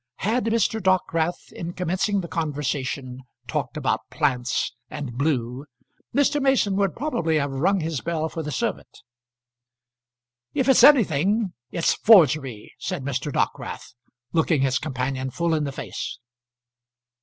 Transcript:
Had Mr. Dockwrath, in commencing the conversation, talked about "plants" and "blue," Mr. Mason would probably have rung his bell for the servant. "If it's anything, it's forgery," said Mr. Dockwrath, looking his companion full in the face.